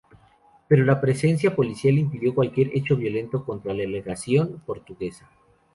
Pero la presencia policial impidió cualquier hecho violento contra la legación portuguesa.